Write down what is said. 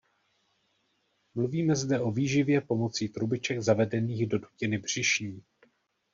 Mluvíme zde o výživě pomocí trubiček zavedených do dutiny břišní.